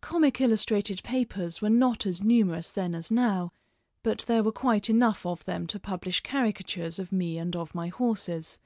Comic illustrated papers were not as numerous then as now, but there were quite enough of them to publish caricatures of me and of my horses.